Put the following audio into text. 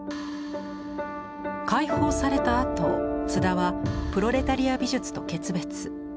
解放されたあと津田はプロレタリア美術と決別。